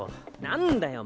何だよ！